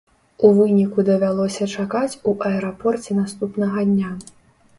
У выніку давялося чакаць у аэрапорце наступнага дня.